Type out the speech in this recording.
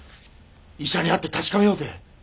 医者に会って確かめようぜ。